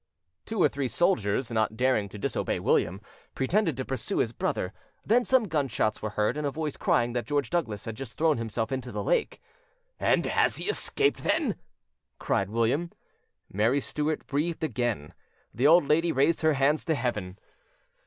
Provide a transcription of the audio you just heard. Two or three soldiers, not daring to disobey William, pretended to pursue his brother. Then some gunshots were heard, and a voice crying that George Douglas had just thrown himself into the lake. "And has he then escaped?" cried William. Mary Stuart breathed again; the old lady raised her hands to Heaven.